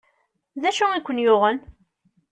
D acu i ken-yuɣen?